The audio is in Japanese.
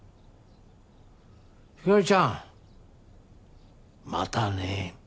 ひかりちゃんまたね。